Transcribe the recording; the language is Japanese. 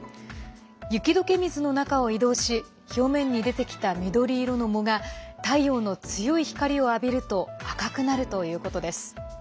雪どけ水の中を移動し表面に出てきた緑色の藻が太陽の強い光を浴びると赤くなるということです。